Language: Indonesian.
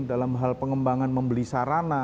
dalam hal pengembangan membeli sarana